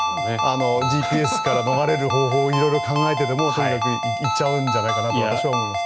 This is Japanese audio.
ＧＰＳから逃れる方法を色々考えてでも、とにかく行っちゃうんじゃないかと私は思います。